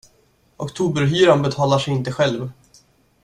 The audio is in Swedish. Oktoberhyran betalar sig inte själv.